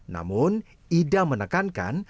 namun ida menekankan